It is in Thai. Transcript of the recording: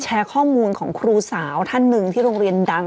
แชร์ข้อมูลของครูสาวท่านหนึ่งที่โรงเรียนดัง